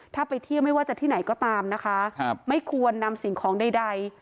ถ้าไปเที่ยวไม่ว่าจะที่ไหนก็ตามนะคะไม่ควรนำสิ่งของใด